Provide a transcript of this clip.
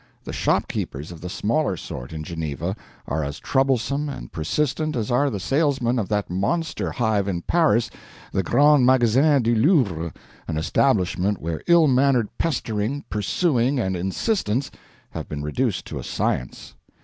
The shopkeepers of the smaller sort, in Geneva, are as troublesome and persistent as are the salesmen of that monster hive in Paris, the Grands Magasins du Louvre an establishment where ill mannered pestering, pursuing, and insistence have been reduced to a science.